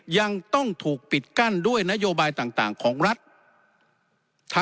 ยังต้องถูกปิดกั้นด้วยนโยบายต่างของรัฐ